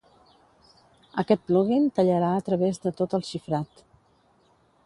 Aquest plug-in tallarà a través de tot el xifrat.